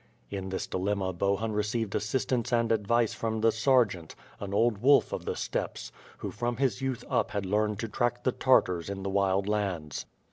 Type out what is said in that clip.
In this dilemma Bohun received assistance and advice from the sergeant, an old wolf of the steppes, who from his youth up had learned to track the Tartars in the Wild Lands.